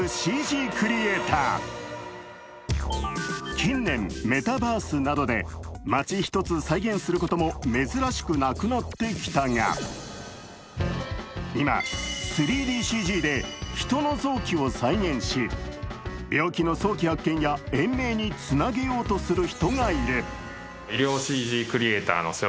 近年、メタバースなどで街１つ再現することも珍しくなくなってきたが今、３ＤＣＧで人の臓器を再現し病気の早期発見や延命につなげようとする人がいる。